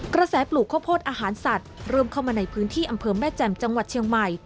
กระแสปลูกข้าวโพดอาหารสัตว์เริ่มเข้ามาในพื้นที่อำเภอแม่แจ่มจังหวัดเชียงใหม่